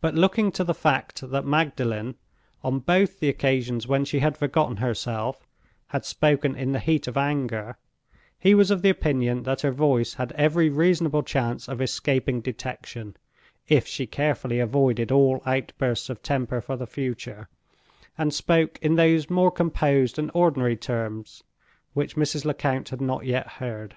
But looking to the fact that Magdalen, on both the occasions when she had forgotten herself, had spoken in the heat of anger, he was of opinion that her voice had every reasonable chance of escaping detection, if she carefully avoided all outbursts of temper for the future, and spoke in those more composed and ordinary tones which Mrs. Lecount had not yet heard.